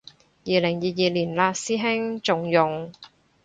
二零二二年嘞師兄，仲用